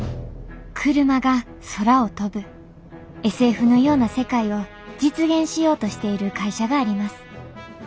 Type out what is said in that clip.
ＳＦのような世界を実現しようとしている会社があります。